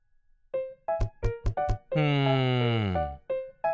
うん。